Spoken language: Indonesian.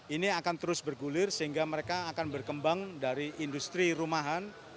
ini akan terus bergulir sehingga mereka akan berkembang dari industri rumahan